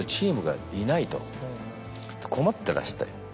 と困ってらして。